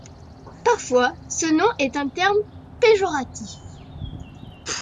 Parfois, ce nom est un terme péjoratif.